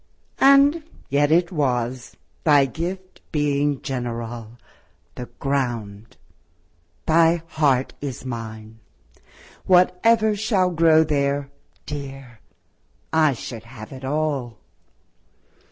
And yet it was, thy gift being general, The ground; thy heart is mine: what ever shall Grow there, dear, I should have it all.